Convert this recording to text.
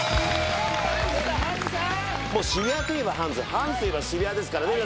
渋谷といえばハンズハンズといえば渋谷ですから。